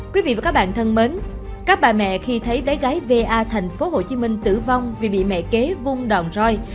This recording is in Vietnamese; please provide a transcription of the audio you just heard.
quý vị và các bạn thân mến các bà mẹ khi thấy bé gái va tp hcm tử vong vì bị mẹ kế vung đòn roi